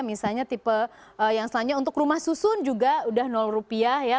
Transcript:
misalnya tipe yang selanjutnya untuk rumah susun juga udah rupiah ya